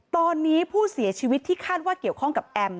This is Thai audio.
ตอนนี้ผู้เสียชีวิตที่คาดว่าเกี่ยวข้องกับแอม